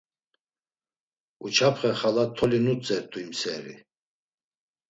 Uçapxe xala, toli nutzert̆u him seri.